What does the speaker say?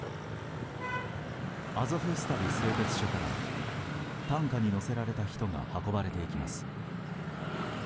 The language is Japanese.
アゾフスタリ製鉄所から担架に乗せられた人が運ばれていきます。